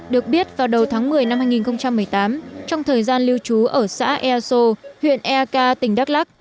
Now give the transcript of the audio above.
được biết vào đầu tháng một mươi năm hai nghìn một mươi tám trong thời gian lưu trú ở xã ea xô huyện ea ca tỉnh đắk lắc